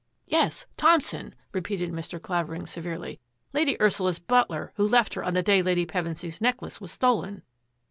" Yes, Thompson," repeated Mr. Clavering se verely ;" Lady Ursula's butler, who left her on the day Lady Pevensy's necklace was stolen."